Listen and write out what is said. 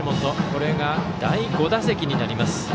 これが第５打席になります。